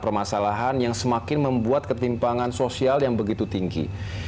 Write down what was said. permasalahan yang semakin membuat ketimpangan sosial yang begitu tinggi